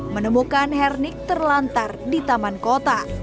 menemukan hernik terlantar di taman kota